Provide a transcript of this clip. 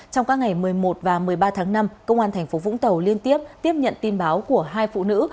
trong các ngày một mươi một và một mươi ba tháng năm công an thành phố vũng tàu liên tiếp tiếp nhận tin báo của hai phụ nữ